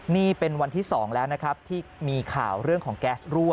นี่เป็นวันที่๒แล้วนะครับที่มีข่าวเรื่องของแก๊สรั่ว